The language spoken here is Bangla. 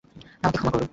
আমাকে ক্ষমা করো।